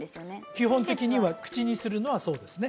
基本的には口にするのはそうですね